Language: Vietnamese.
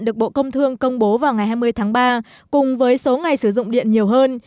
được bộ công thương công bố vào ngày hai mươi tháng ba cùng với số ngày sử dụng điện nhiều hơn